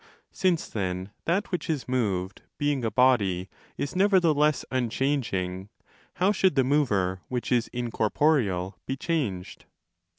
Since then that which is moved, 5 being a body, is nevertheless unchanging, how should the mover, which is incorporeal, be changed